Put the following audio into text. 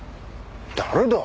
誰だ？